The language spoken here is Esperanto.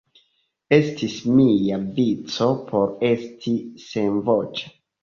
Estis mia vico por esti senvoĉa.